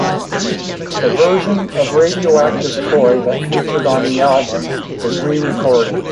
The version of "Radioactive Toy" that featured on the album is re-recorded.